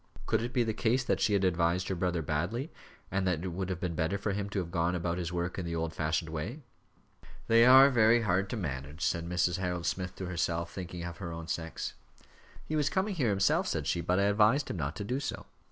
Could it be the case that she had advised her brother badly, and that it would have been better for him to have gone about his work in the old fashioned way? "They are very hard to manage," said Mrs. Harold Smith to herself, thinking of her own sex. "He was coming here himself," said she, "but I advised him not to do so."